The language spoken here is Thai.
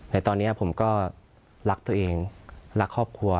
แต่ตอนนี้ผมก็รักตัวเองรักครอบครัว